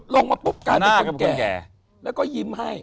ลงมาปุ๊บ